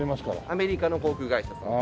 アメリカの航空会社さんも。